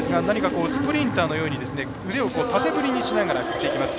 スプリンターのように腕を縦振りしながら振っていきます。